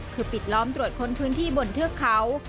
คือปิดล้อมตรวจค้นพื้นที่บนเทือกเขา